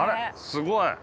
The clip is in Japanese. すごい。